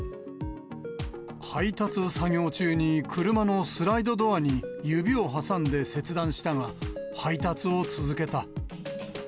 配達作業中に車のスライドドアに指を挟んで切断したが、配達を続けた。